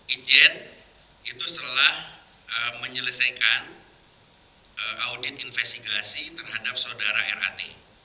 ijet itu setelah menyelesaikan audit investigasi terhadap sodara rat